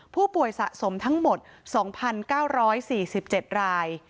ผู้ป่วยสะสมทั้งหมด๒๙๔๗ราย